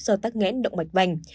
do tắc ngãn động mạch vành